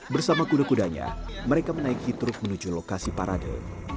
bersama kuda kudanya mereka menaiki truk menuju lokasi parade